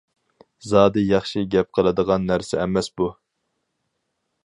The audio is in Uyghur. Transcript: زادى ياخشى گەپ قىلىدىغان نەرسە ئەمەس بۇ!